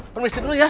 permisi dulu ya